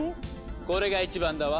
これが一番だわ。